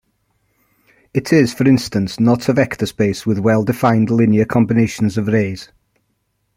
It is, for instance, not a vector space with well-defined linear combinations of rays.